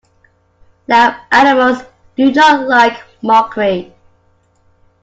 Now animals do not like mockery.